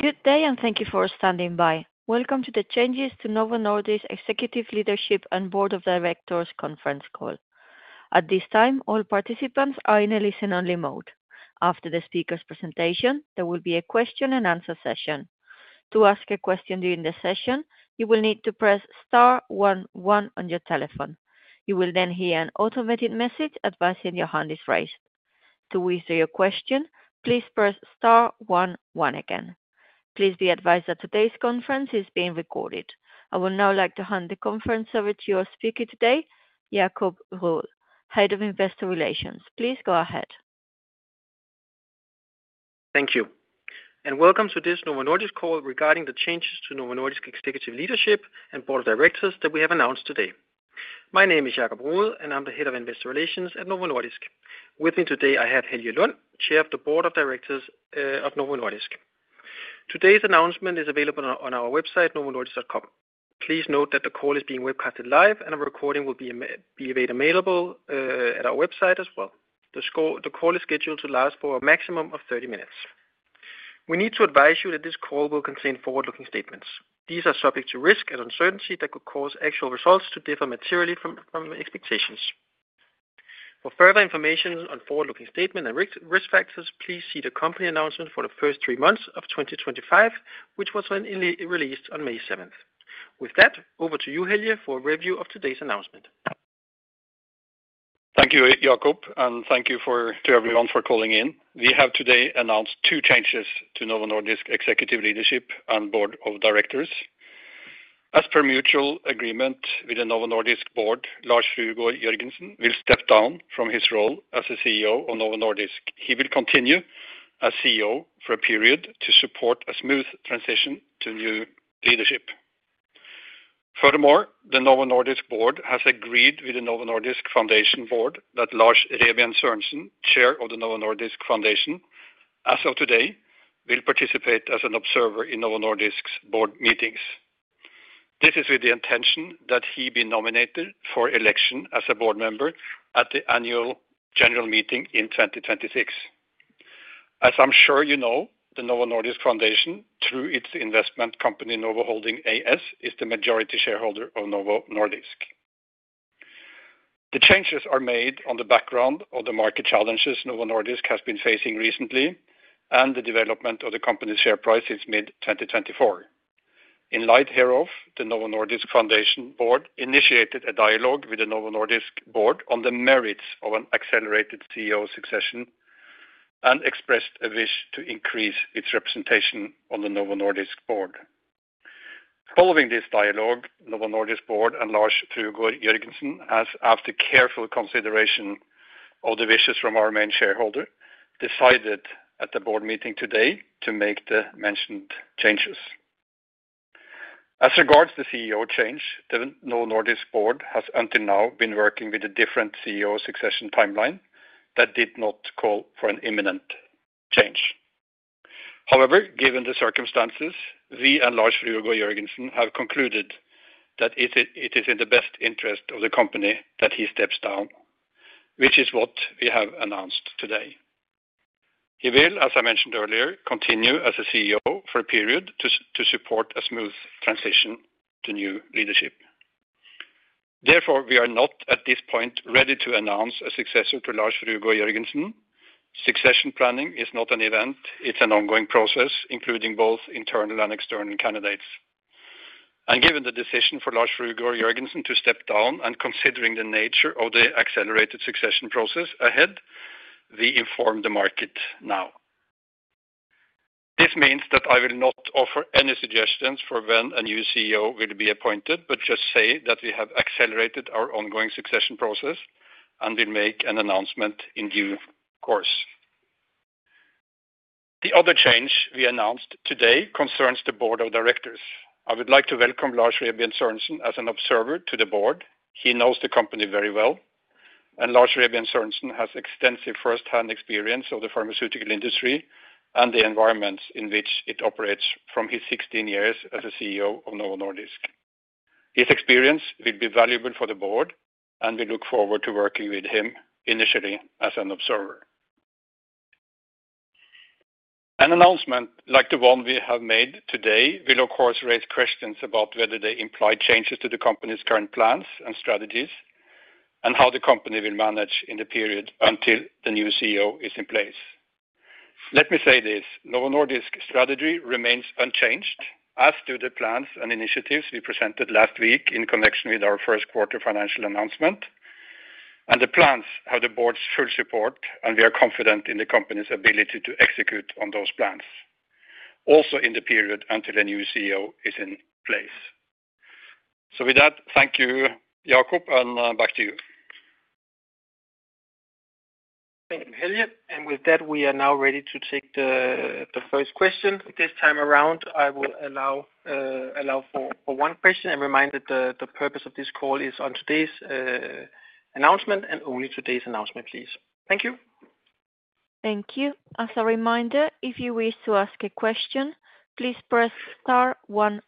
Good day, and thank you for standing by. Welcome to the Changes to Novo Nordisk Executive Leadership and Board of Directors conference call. At this time, all participants are in a listen-only mode. After the speaker's presentation, there will be a question-and-answer session. To ask a question during the session, you will need to press *11 on your telephone. You will then hear an automated message advising your hand is raised. To answer your question, please press *11 again. Please be advised that today's conference is being recorded. I would now like to hand the conference over to your speaker today, Jakob Wulff, Head of Investor Relations. Please go ahead. Thank you, and welcome to this Novo Nordisk call regarding the changes to Novo Nordisk Executive Leadership and Board of Directors that we have announced today. My name is Jakob Wulff, and I'm the Head of Investor Relations at Novo Nordisk. With me today, I have Helge Lund, Chair of the Board of Directors of Novo Nordisk. Today's announcement is available on our website, novonordisk.com. Please note that the call is being webcast live, and a recording will be made available at our website as well. The call is scheduled to last for a maximum of 30 minutes. We need to advise you that this call will contain forward-looking statements. These are subject to risk and uncertainty that could cause actual results to differ materially from expectations. For further information on forward-looking statements and risk factors, please see the company announcement for the first three months of 2025, which was only released on May 7. With that, over to you, Helge, for a review of today's announcement. Thank you, Jakob, and thank you to everyone for calling in. We have today announced two changes to Novo Nordisk Executive Leadership and Board of Directors. As per mutual agreement with the Novo Nordisk board, Lars Fruergaard Jørgensen will step down from his role as the CEO of Novo Nordisk. He will continue as CEO for a period to support a smooth transition to new leadership. Furthermore, the Novo Nordisk board has agreed with the Novo Nordisk Foundation board that Lars Rebien Sørensen, Chair of the Novo Nordisk Foundation, as of today, will participate as an observer in Novo Nordisk's board meetings. This is with the intention that he be nominated for election as a board member at the annual general meeting in 2026. As I'm sure you know, the Novo Nordisk Foundation, through its investment company Novo Holdings A/S, is the majority shareholder of Novo Nordisk. The changes are made on the background of the market challenges Novo Nordisk has been facing recently and the development of the company's share price since mid-2024. In light hereof, the Novo Nordisk Foundation board initiated a dialogue with the Novo Nordisk board on the merits of an accelerated CEO succession and expressed a wish to increase its representation on the Novo Nordisk board. Following this dialogue, the Novo Nordisk board and Lars Fruergaard Jørgensen has, after careful consideration of the wishes from our main shareholder, decided at the board meeting today to make the mentioned changes. As regards the CEO change, the Novo Nordisk board has until now been working with a different CEO succession timeline that did not call for an imminent change. However, given the circumstances, we and Lars Fruergaard Jørgensen have concluded that it is in the best interest of the company that he steps down, which is what we have announced today. He will, as I mentioned earlier, continue as CEO for a period to support a smooth transition to new leadership. Therefore, we are not at this point ready to announce a successor to Lars Fruergaard Jørgensen. Succession planning is not an event; it is an ongoing process, including both internal and external candidates. Given the decision for Lars Fruergaard Jørgensen to step down and considering the nature of the accelerated succession process ahead, we inform the market now. This means that I will not offer any suggestions for when a new CEO will be appointed, but just say that we have accelerated our ongoing succession process and will make an announcement in due course. The other change we announced today concerns the board of directors. I would like to welcome Lars Rebien Sørensen as an observer to the board. He knows the company very well, and Lars Rebien Sørensen has extensive first-hand experience of the pharmaceutical industry and the environments in which it operates from his 16 years as a CEO of Novo Nordisk. His experience will be valuable for the board, and we look forward to working with him initially as an observer. An announcement like the one we have made today will, of course, raise questions about whether they imply changes to the company's current plans and strategies and how the company will manage in the period until the new CEO is in place. Let me say this: Novo Nordisk's strategy remains unchanged, as do the plans and initiatives we presented last week in connection with our first quarter financial announcement. The plans have the board's full support, and we are confident in the company's ability to execute on those plans, also in the period until a new CEO is in place. Thank you, Jakob, and back to you. Thank you, Helge. With that, we are now ready to take the first question. This time around, I will allow for one question and remind that the purpose of this call is on today's announcement and only today's announcement, please. Thank you. Thank you. As a reminder, if you wish to ask a question, please press *11.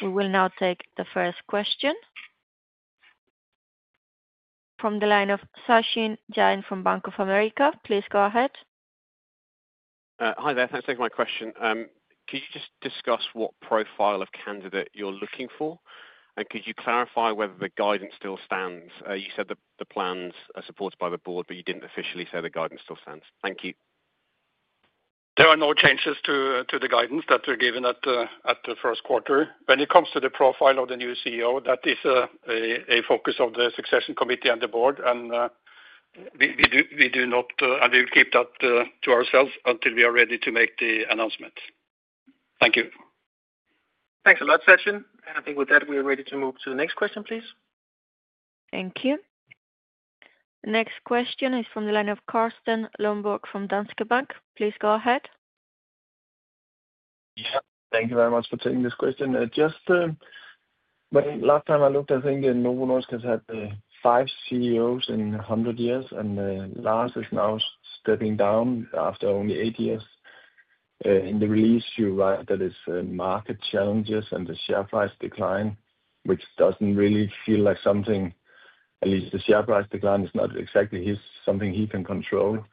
We will now take the first question from the line of Sachin Jain from Bank of America. Please go ahead. Hi there. Thanks for my question. Could you just discuss what profile of candidate you're looking for, and could you clarify whether the guidance still stands? You said the plans are supported by the board, but you didn't officially say the guidance still stands. Thank you. There are no changes to the guidance that were given at the first quarter. When it comes to the profile of the new CEO, that is a focus of the succession committee and the board, and we do not, and we will keep that to ourselves until we are ready to make the announcement. Thank you. Thanks a lot, Sachin. I think with that, we are ready to move to the next question, please. Thank you. The next question is from the line of Carsten Egeriis from Danske Bank. Please go ahead. Yep. Thank you very much for taking this question. Just the last time I looked, I think Novo Nordisk has had five CEOs in 100 years, and Lars is now stepping down after only eight years. In the release, you write that it's market challenges and the share price decline, which doesn't really feel like something, at least the share price decline, is not exactly something he can control.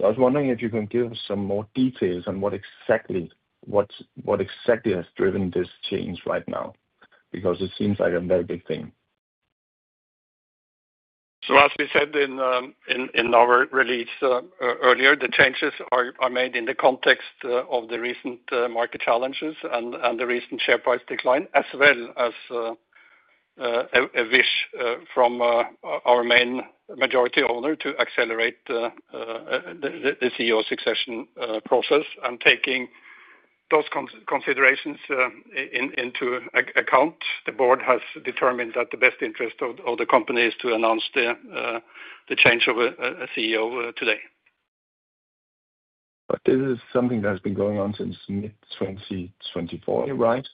I was wondering if you can give us some more details on what exactly has driven this change right now, because it seems like a very big thing. As we said in our release earlier, the changes are made in the context of the recent market challenges and the recent share price decline, as well as a wish from our main majority owner to accelerate the CEO succession process. Taking those considerations into account, the board has determined that the best interest of the company is to announce the change of a CEO today. This is something that has been going on since mid-2024, right?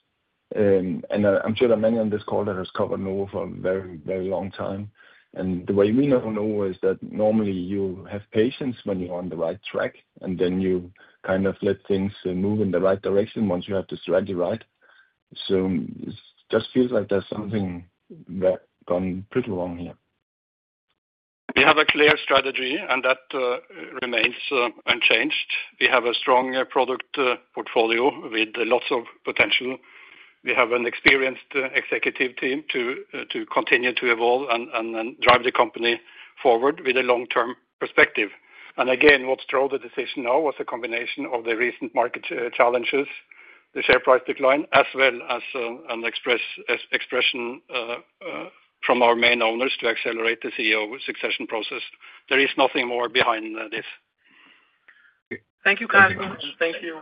I'm sure there are many on this call that have covered Novo for a very, very long time. The way we know Novo is that normally you have patience when you're on the right track, and then you kind of let things move in the right direction once you have the strategy right. It just feels like there's something that's gone pretty wrong here. We have a clear strategy, and that remains unchanged. We have a strong product portfolio with lots of potential. We have an experienced executive team to continue to evolve and drive the company forward with a long-term perspective. What drove the decision now was a combination of the recent market challenges, the share price decline, as well as an expression from our main owners to accelerate the CEO succession process. There is nothing more behind this. Thank you, Carsten. Thank you,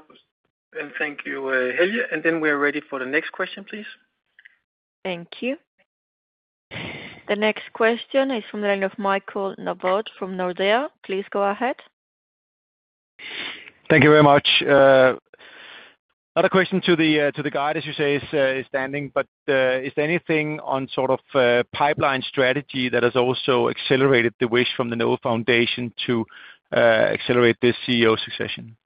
and thank you, Helge. We are ready for the next question, please. Thank you. The next question is from the line of Michael Novod from Nordea. Please go ahead. Thank you very much. Another question to the guide, as you say, is standing, but is there anything on sort of pipeline strategy that has also accelerated the wish from the Novo Nordisk Foundation to accelerate this CEO succession?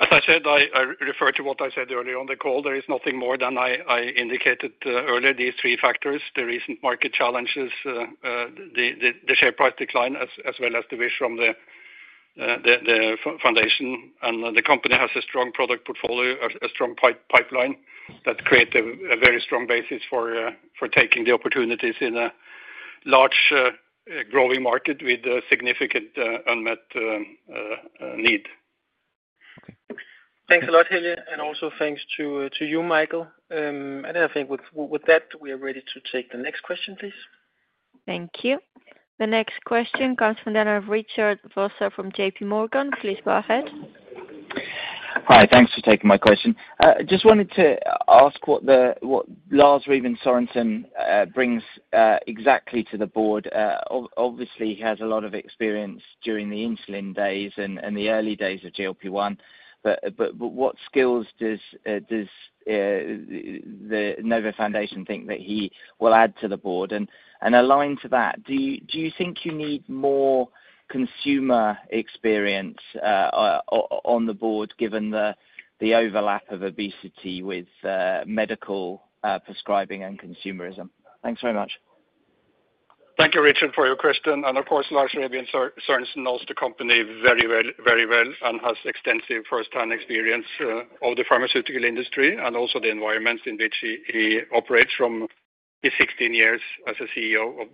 As I said, I referred to what I said earlier on the call. There is nothing more than I indicated earlier, these three factors: the recent market challenges, the share price decline, as well as the wish from the foundation. The company has a strong product portfolio, a strong pipeline that creates a very strong basis for taking the opportunities in a large growing market with significant unmet need. Thanks a lot, Helge, and also thanks to you, Michael. I think with that, we are ready to take the next question, please. Thank you. The next question comes from the line of Richard Vosser from JP Morgan. Please go ahead. Hi, thanks for taking my question. Just wanted to ask what Lars Rebien Sørensen brings exactly to the board. Obviously, he has a lot of experience during the insulin days and the early days of GLP-1, but what skills does the Novo Nordisk Foundation think that he will add to the board? Aligned to that, do you think you need more consumer experience on the board given the overlap of obesity with medical prescribing and consumerism? Thanks very much. Thank you, Richard, for your question. Of course, Lars Rebien Sørensen knows the company very, very well and has extensive first-hand experience of the pharmaceutical industry and also the environments in which he operates from his 16 years as CEO of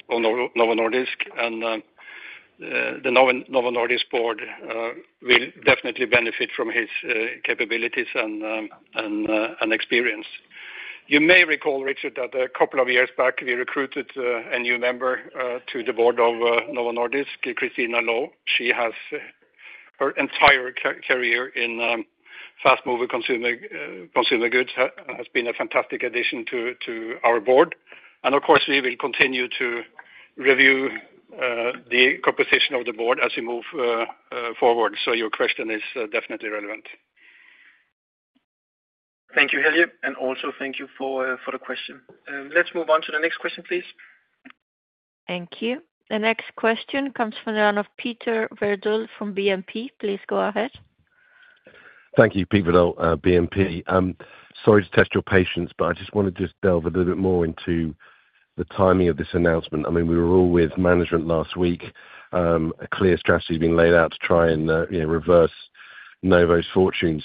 Novo Nordisk. The Novo Nordisk board will definitely benefit from his capabilities and experience. You may recall, Richard, that a couple of years back, we recruited a new member to the board of Novo Nordisk, Christine Low. She has her entire career in fast-moving consumer goods and has been a fantastic addition to our board. We will continue to review the composition of the board as we move forward. Your question is definitely relevant. Thank you, Helge, and also thank you for the question. Let's move on to the next question, please. Thank you. The next question comes from the line of Peter Verdult from BNP Paribas. Please go ahead. Thank you, Peter Verdult, BNP. Sorry to test your patience, but I just want to just delve a little bit more into the timing of this announcement. I mean, we were all with management last week. A clear strategy has been laid out to try and reverse Novo Nordisk's fortunes.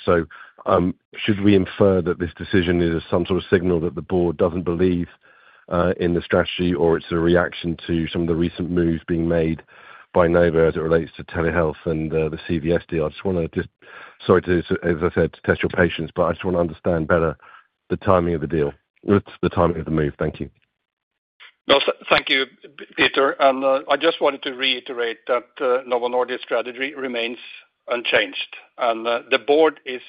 Should we infer that this decision is some sort of signal that the board does not believe in the strategy or it is a reaction to some of the recent moves being made by Novo Nordisk as it relates to telehealth and the CVS deal? I just want to just, sorry to, as I said, test your patience, but I just want to understand better the timing of the deal, the timing of the move. Thank you. No, thank you, Peter. I just wanted to reiterate that Novo Nordisk's strategy remains unchanged, and the board is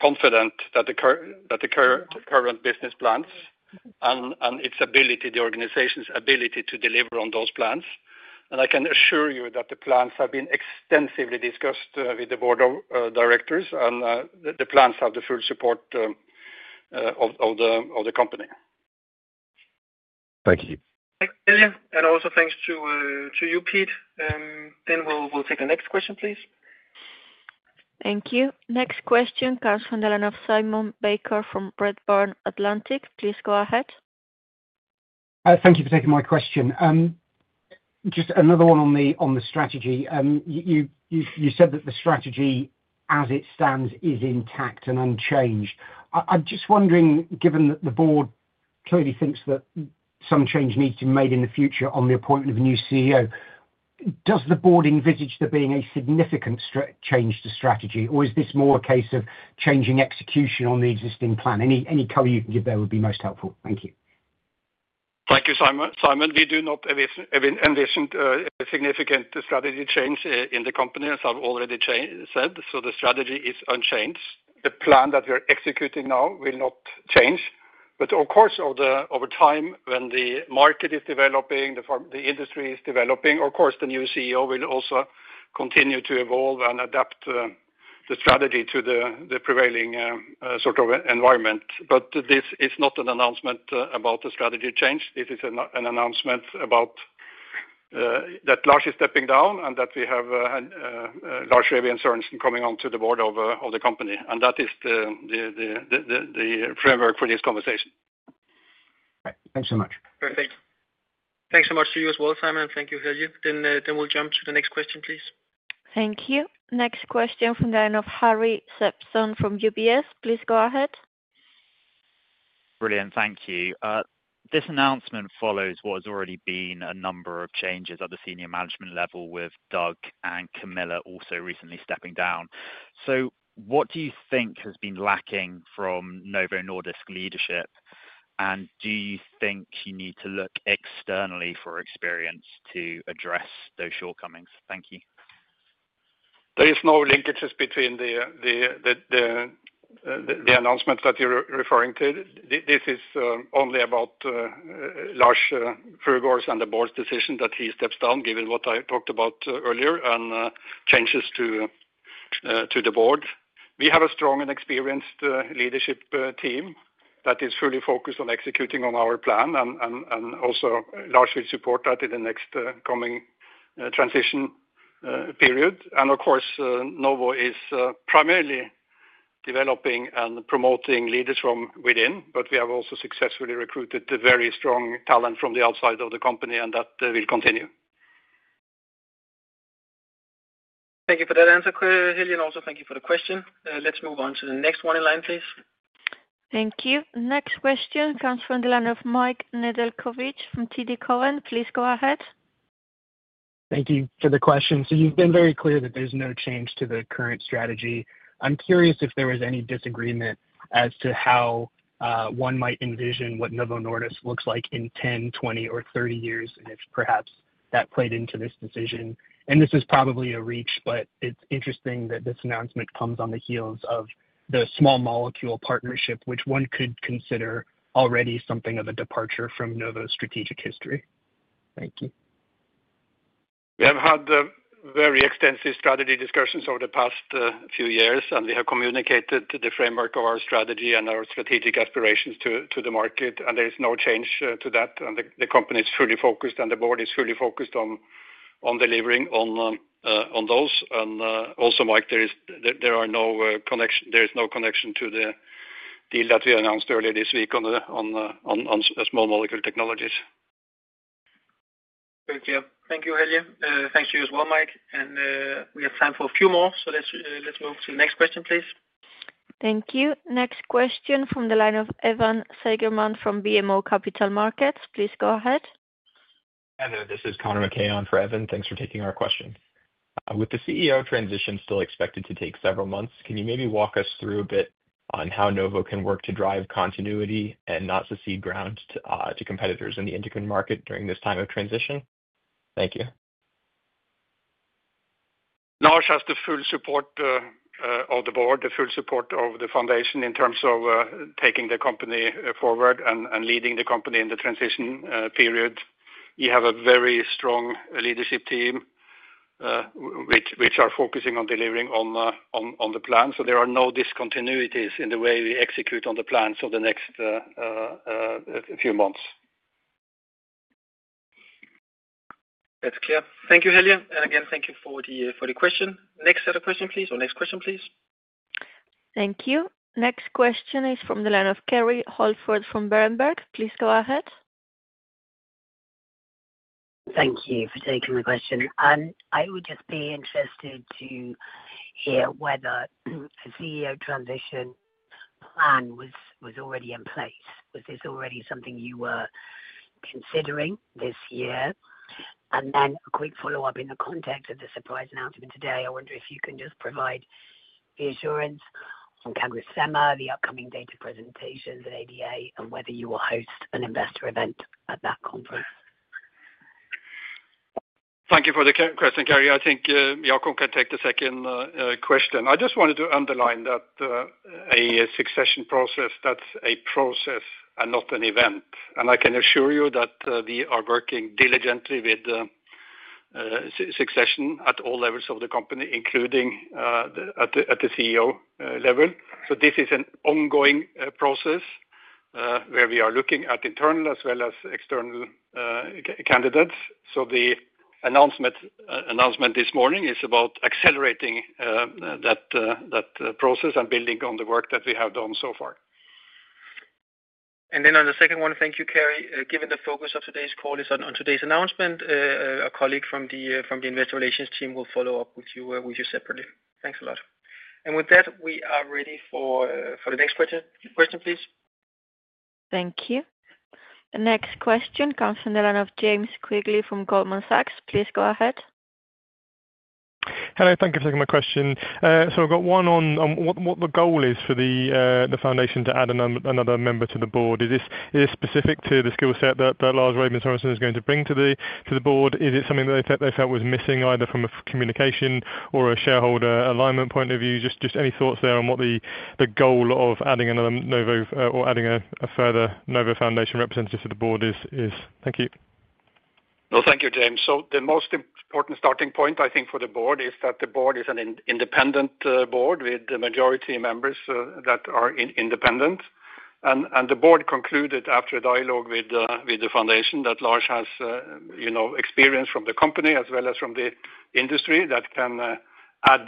confident that the current business plans and its ability, the organization's ability to deliver on those plans. I can assure you that the plans have been extensively discussed with the board of directors, and the plans have the full support of the company. Thank you. Thanks, Helge, and also thanks to you, Peter. We will take the next question, please. Thank you. Next question comes from the line of Simon Baker from Redburn Atlantic. Please go ahead. Thank you for taking my question. Just another one on the strategy. You said that the strategy, as it stands, is intact and unchanged. I'm just wondering, given that the board clearly thinks that some change needs to be made in the future on the appointment of a new CEO, does the board envisage there being a significant change to strategy, or is this more a case of changing execution on the existing plan? Any color you can give there would be most helpful. Thank you. Thank you, Simon. We do not envision a significant strategy change in the company, as I've already said. The strategy is unchanged. The plan that we're executing now will not change. Of course, over time, when the market is developing, the industry is developing, of course, the new CEO will also continue to evolve and adapt the strategy to the prevailing sort of environment. This is not an announcement about the strategy change. This is an announcement about that Lars is stepping down and that we have Lars Rebien Sørensen coming onto the board of the company. That is the framework for this conversation. Thanks so much. Perfect. Thanks so much to you as well, Simon. Thank you, Helge. We will jump to the next question, please. Thank you. Next question from the line of Harry Sephton from UBS. Please go ahead. Brilliant. Thank you. This announcement follows what has already been a number of changes at the senior management level with Doug and Camilla also recently stepping down. What do you think has been lacking from Novo Nordisk leadership, and do you think you need to look externally for experience to address those shortcomings? Thank you. There is no linkages between the announcements that you're referring to. This is only about Lars Jørgensen and the board's decision that he steps down, given what I talked about earlier, and changes to the board. We have a strong and experienced leadership team that is fully focused on executing on our plan, and also largely support that in the next coming transition period. Of course, Novo Nordisk is primarily developing and promoting leaders from within, but we have also successfully recruited very strong talent from the outside of the company, and that will continue. Thank you for that answer, Helge. Thank you for the question. Let's move on to the next one in line, please. Thank you. Next question comes from the line of Michael Thomas Nedelcovych from TD Cowen. Please go ahead. Thank you for the question. You have been very clear that there is no change to the current strategy. I am curious if there was any disagreement as to how one might envision what Novo Nordisk looks like in 10, 20, or 30 years, and if perhaps that played into this decision. This is probably a reach, but it is interesting that this announcement comes on the heels of the small molecule partnership, which one could consider already something of a departure from Novo Nordisk's strategic history. Thank you. We have had very extensive strategy discussions over the past few years, and we have communicated the framework of our strategy and our strategic aspirations to the market, and there is no change to that. The company is fully focused, and the board is fully focused on delivering on those. Also, Michael, there is no connection to the deal that we announced earlier this week on small molecule technologies. Thank you. Thank you, Helge. Thanks to you as well, Michael. We have time for a few more, so let's move to the next question, please. Thank you. Next question from the line of Evan Seigerman from BMO Capital Markets. Please go ahead. Hello, this is Conor Caillon for Evan. Thanks for taking our question. With the CEO transition still expected to take several months, can you maybe walk us through a bit on how Novo can work to drive continuity and not secede ground to competitors in the endocrine market during this time of transition? Thank you. Lars has the full support of the board, the full support of the foundation in terms of taking the company forward and leading the company in the transition period. We have a very strong leadership team which are focusing on delivering on the plan. There are no discontinuities in the way we execute on the plan for the next few months. That's clear. Thank you, Helge. Thank you for the question. Next set of questions, please, or next question, please. Thank you. Next question is from the line of Kerry Holford from Berenberg. Please go ahead. Thank you for taking the question. I would just be interested to hear whether a CEO transition plan was already in place. Was this already something you were considering this year? A quick follow-up in the context of the surprise announcement today. I wonder if you can just provide the assurance on CagriSema, the upcoming data presentations at ADA, and whether you will host an investor event at that conference. Thank you for the question, Kerry. I think Jakob can take the second question. I just wanted to underline that a succession process, that's a process and not an event. I can assure you that we are working diligently with succession at all levels of the company, including at the CEO level. This is an ongoing process where we are looking at internal as well as external candidates. The announcement this morning is about accelerating that process and building on the work that we have done so far. On the second one, thank you, Kerry. Given the focus of today's call is on today's announcement, a colleague from the investor relations team will follow up with you separately. Thanks a lot. With that, we are ready for the next question, please. Thank you. The next question comes from the line of James Quigley from Goldman Sachs. Please go ahead. Hello, thank you for taking my question. I have got one on what the goal is for the foundation to add another member to the board. Is this specific to the skill set that Lars Rebien Sørensen is going to bring to the board? Is it something that they felt was missing either from a communication or a shareholder alignment point of view? Just any thoughts there on what the goal of adding another Novo or adding a further Novo Foundation representative to the board is? Thank you. No, thank you, James. The most important starting point, I think, for the board is that the board is an independent board with the majority members that are independent. The board concluded after a dialogue with the foundation that Lars has experience from the company as well as from the industry that can add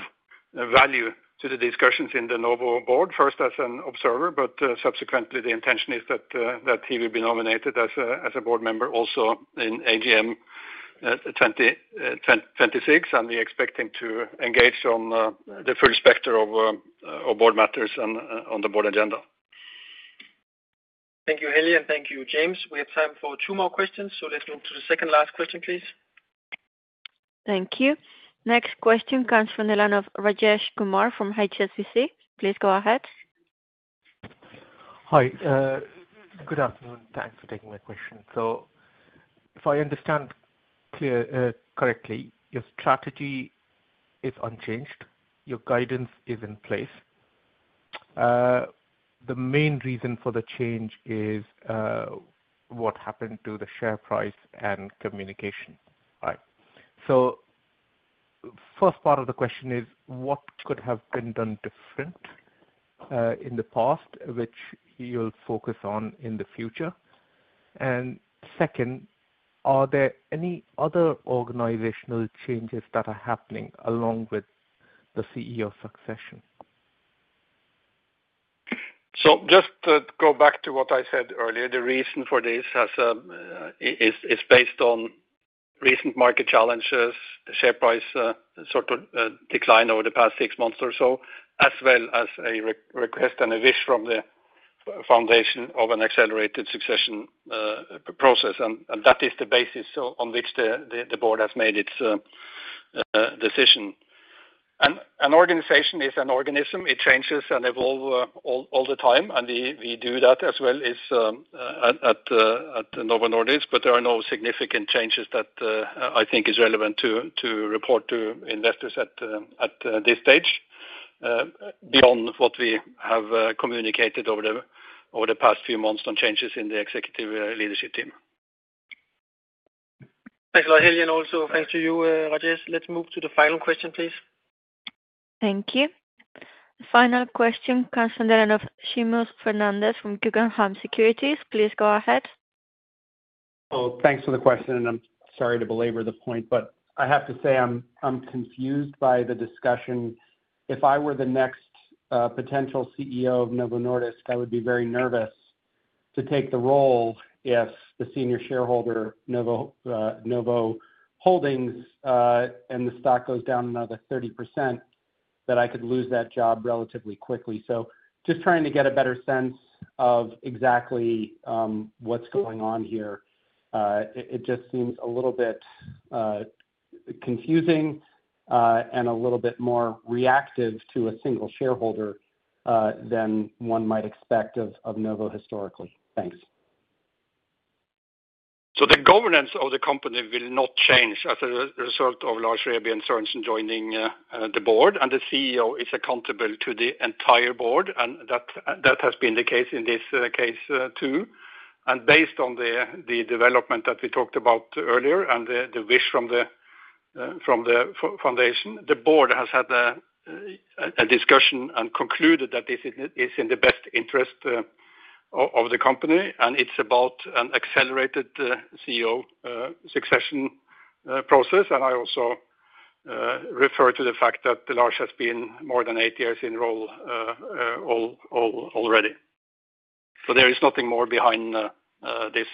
value to the discussions in the Novo board, first as an observer, but subsequently, the intention is that he will be nominated as a board member also in AGM 2026, and we expect him to engage on the full spectrum of board matters and on the board agenda. Thank you, Helge, and thank you, James. We have time for two more questions, so let's move to the second last question, please. Thank you. Next question comes from the line of Rajesh Kumar from HSBC. Please go ahead. Hi. Good afternoon. Thanks for taking my question. If I understand correctly, your strategy is unchanged. Your guidance is in place. The main reason for the change is what happened to the share price and communication. The first part of the question is, what could have been done different in the past, which you'll focus on in the future? The second, are there any other organizational changes that are happening along with the CEO succession? Just to go back to what I said earlier, the reason for this is based on recent market challenges, share price sort of decline over the past six months or so, as well as a request and a wish from the foundation of an accelerated succession process. That is the basis on which the board has made its decision. An organization is an organism. It changes and evolves all the time, and we do that as well as at Novo Nordisk, but there are no significant changes that I think are relevant to report to investors at this stage beyond what we have communicated over the past few months on changes in the executive leadership team. Thanks, Helge. Thanks to you, Rajesh. Let's move to the final question, please. Thank you. Final question comes from the line of Seamus Fernandez from Guggenheim Securities. Please go ahead. Oh, thanks for the question, and I'm sorry to belabor the point, but I have to say I'm confused by the discussion. If I were the next potential CEO of Novo Nordisk, I would be very nervous to take the role if the senior shareholder, Novo Holdings, and the stock goes down another 30%, that I could lose that job relatively quickly. Just trying to get a better sense of exactly what's going on here, it just seems a little bit confusing and a little bit more reactive to a single shareholder than one might expect of Novo historically. Thanks. The governance of the company will not change as a result of Lars Rebien Sørensen joining the board, and the CEO is accountable to the entire board, and that has been the case in this case too. Based on the development that we talked about earlier and the wish from the foundation, the board has had a discussion and concluded that this is in the best interest of the company, and it's about an accelerated CEO succession process. I also refer to the fact that Lars has been more than eight years in role already. There is nothing more behind this.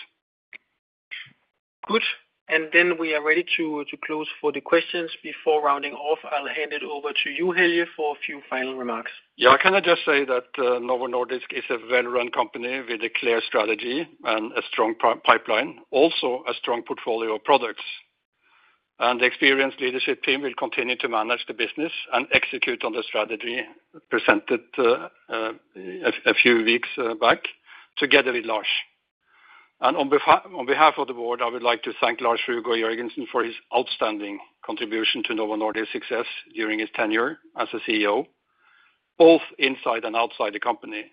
Good. We are ready to close for the questions. Before rounding off, I'll hand it over to you, Helge, for a few final remarks. Yeah, can I just say that Novo Nordisk is a well-run company with a clear strategy and a strong pipeline, also a strong portfolio of products. The experienced leadership team will continue to manage the business and execute on the strategy presented a few weeks back together with Lars Fruergaard Jørgensen. On behalf of the board, I would like to thank Lars Fruergaard Jørgensen for his outstanding contribution to Novo Nordisk's success during his tenure as CEO, both inside and outside the company.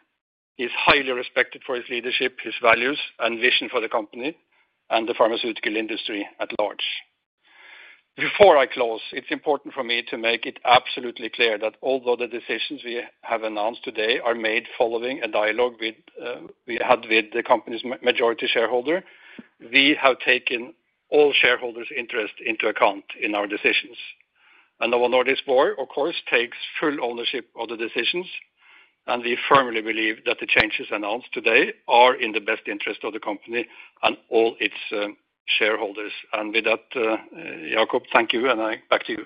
He's highly respected for his leadership, his values, and vision for the company and the pharmaceutical industry at large. Before I close, it's important for me to make it absolutely clear that although the decisions we have announced today are made following a dialogue we had with the company's majority shareholder, we have taken all shareholders' interests into account in our decisions. Novo Nordisk board, of course, takes full ownership of the decisions, and we firmly believe that the changes announced today are in the best interest of the company and all its shareholders. With that, Jakob, thank you, and back to you.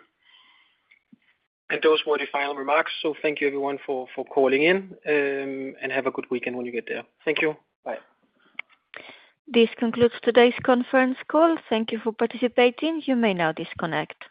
Those were the final remarks. Thank you, everyone, for calling in, and have a good weekend when you get there. Thank you. Bye. This concludes today's conference call. Thank you for participating. You may now disconnect.